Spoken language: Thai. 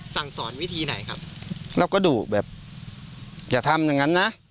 สั่งสอนวิธีไหนครับแล้วก็ดุแบบอย่าทำอย่างนั้นนะ